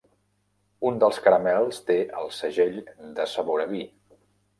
Un dels caramels té el segell de sabor a vi.